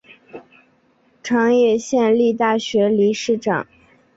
长野县立大学理事长。